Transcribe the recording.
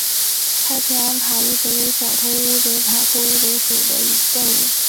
太平洋塔乌贼为小头乌贼科塔乌贼属的动物。